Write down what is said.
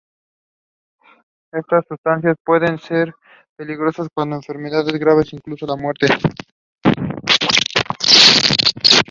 Estas sustancias pueden ser peligrosas, causando enfermedades graves o incluso la muerte.